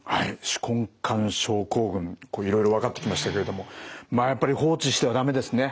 手根管症候群いろいろ分かってきましたけれどもまあやっぱり放置しては駄目ですね。